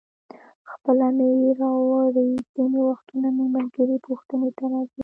خپله مې راوړي، ځینې وختونه مې ملګري پوښتنې ته راځي.